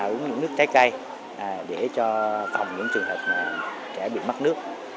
uống dưỡng nước trái cây để cho phòng những trường hợp trẻ bị mắc nước